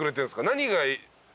何が。